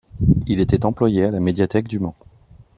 Il était employé à la médiathèque du Mans.